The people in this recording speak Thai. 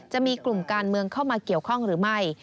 จะมีกลุ่มการเมืองเข้ามาเกี่ยวข้องหรือไม่